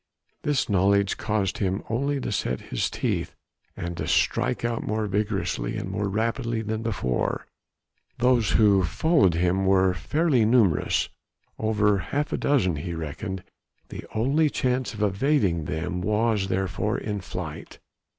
This knowledge caused him only to set his teeth, and to strike out more vigorously and more rapidly than before; those who followed him were fairly numerous over half a dozen he reckoned the only chance of evading them was, therefore, in flight.